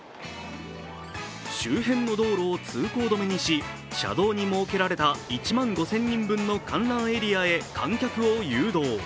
周辺の道路を通行止めにし、車道に設けられた１万５０００人分の観覧エリアへ観客を誘導。